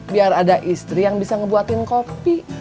biar ada istri yang bisa ngebuatin kopi